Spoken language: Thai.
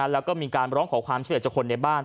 แล้วก็มีการร้องขอความช่วยเหลือจากคนในบ้าน